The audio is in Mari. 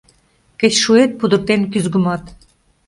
Кеч шуэт пудыртен кӱзгымат.